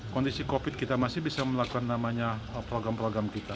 kondisi covid kita masih bisa melakukan namanya program program kita